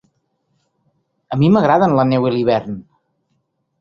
A mi m'agraden la neu i l'hivern.